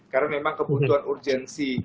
karena memang kebutuhan urgensi